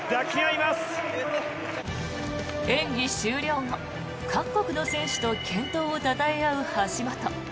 演技終了後各国の選手と健闘をたたえ合う橋本。